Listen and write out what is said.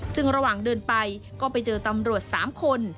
ซึ่งระหว่างเดินไปก็ไปเจอตำรวจ๓คน